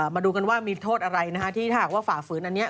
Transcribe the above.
มาดูกันว่ามีโทษอะไรนะฮะที่ถ้าหากว่าฝ่าฝืนอันนี้